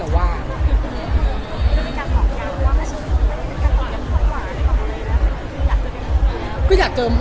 แล้วมีการบอกกันว่าถ้าช่วยกันกันก่อนก็ค่อยแล้วก็อยากจะเจอกัน